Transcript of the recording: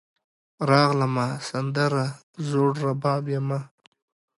راغلمه , سندره زوړرباب یمه